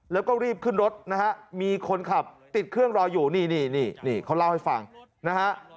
แล้วก็รีบขึ้นรถนะฮะมีคนขับติดเครื่องรออยู่นี่นี่เขาเล่าให้ฟังนะฮะ